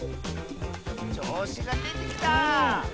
ちょうしがでてきた！